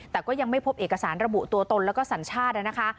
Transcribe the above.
แต่ก็ยังไม่พบเอกสารระบุตัวตนแล้วก็สัญชาตินะคะ